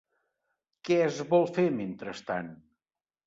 Què es vol fer mentrestant?